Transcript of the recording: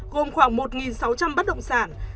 gồm khoảng một sáu trăm linh bất động sản